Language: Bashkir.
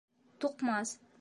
Туҡмас